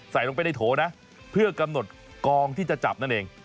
ใส่ลงไปในโถนะเพื่อกำหนดกองที่จะจับนั่นเอง